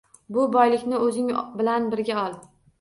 Bu boylikni o’zing bilan birga ol.